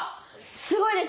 すごいです！